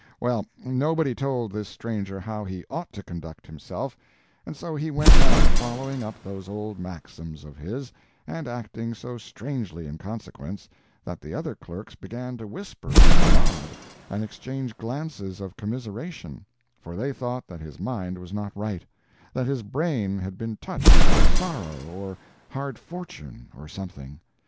Well, nobody told this stranger how he ought to conduct himself, and so he went on following up those old maxims of his, and acting so strangely in consequence, that the other clerks began to whisper and nod, and exchange glances of commiseration—for they thought that his mind was not right—that his brain had been touched by sorrow, or hard fortune, or something.